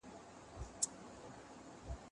زه له سهاره ځواب ليکم!.